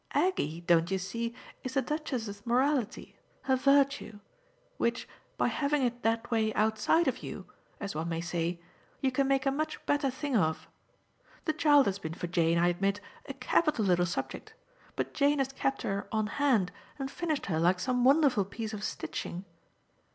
Aggie, don't you see? is the Duchess's morality, her virtue; which, by having it that way outside of you, as one may say, you can make a much better thing of. The child has been for Jane, I admit, a capital little subject, but Jane has kept her on hand and finished her like some wonderful piece of stitching.